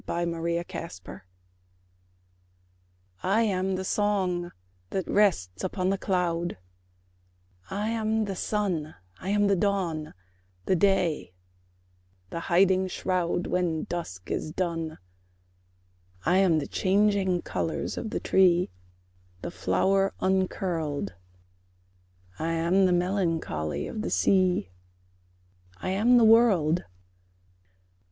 I AM THE WORLD I am the song, that rests upon the cloud; I am the sun: I am the dawn, the day, the hiding shroud, When dusk is done. I am the changing colours of the tree; The flower uncurled: I am the melancholy of the sea; I am the world.